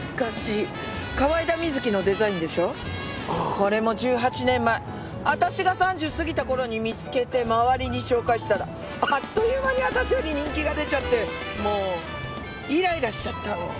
これも１８年前私が３０を過ぎた頃に見つけて周りに紹介したらあっという間に私より人気が出ちゃってもうイライラしちゃった。